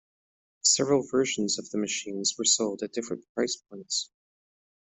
Several versions of the machines were sold at different price points.